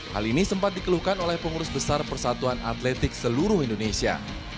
hal ini sempat dikeluhkan oleh pengurus besar persatuan atletik seluruh indonesia